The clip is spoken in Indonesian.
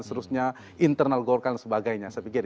selanjutnya internal golkar dan sebagainya